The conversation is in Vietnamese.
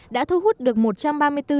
đã thu hút được một trăm ba mươi bốn nhà đầu tư